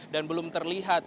dan belum terlihat